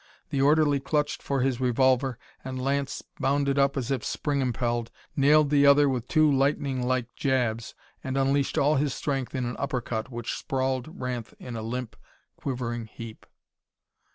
The orderly clutched for his revolver, and Lance bounded up as if spring impelled, nailed the other with two lightninglike jabs and unleashed all his strength in an uppercut which sprawled Ranth in a limp, quivering heap.